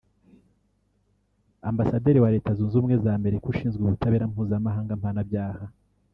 Ambasaderi wa Leta Zunze Ubumwe za Amerika ushinzwe Ubutabera Mpuzamahanga Mpanabyaha